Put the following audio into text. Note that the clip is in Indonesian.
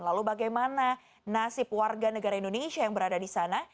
lalu bagaimana nasib warga negara indonesia yang berada di sana